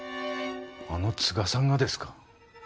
あの都賀さんがですか。